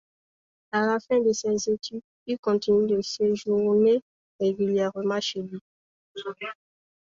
À la fin de ses études, il continue de séjourner régulièrement chez lui.